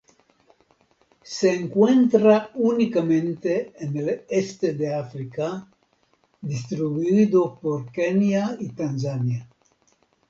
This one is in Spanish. Se encuentra únicamente en el este de África, distribuido por Kenia y Tanzania.